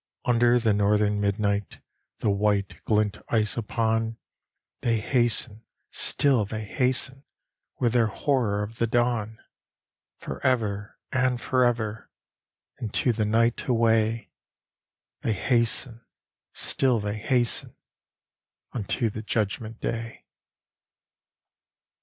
Under the northern midnight, The white, glint ice upon, They hasten, still they hasten, With their horror of the dawn; Forever and forever, Into the night away They hasten, still they hasten Unto the judgment day.